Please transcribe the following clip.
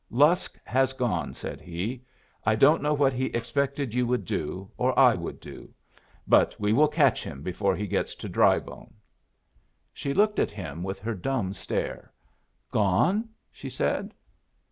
"Lusk has gone," said he. "I don't know what he expected you would do, or I would do. But we will catch him before he gets to Drybone." She looked at him with her dumb stare. "Gone?" she said.